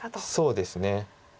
そうですね。